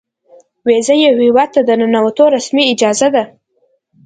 ویزه یو هیواد ته د ننوتو رسمي اجازه ده.